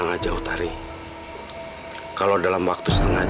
sampai jumpa di video selanjutnya